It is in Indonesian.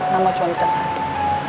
nama cuma kita satu